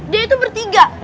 dia itu bertiga